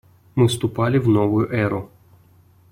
Мы вступали в новую эру.